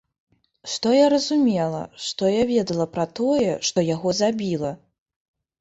Што я разумела, што я ведала пра тое, што яго забіла?